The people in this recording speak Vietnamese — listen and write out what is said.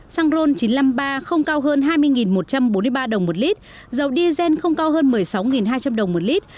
xăng ron chín trăm năm mươi ba không cao hơn hai mươi một trăm bốn mươi ba đồng một lít dầu diesel không cao hơn một mươi sáu hai trăm linh đồng một lít